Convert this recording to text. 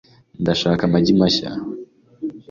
Ndashaka amagi mashya .